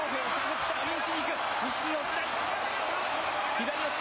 左四つ。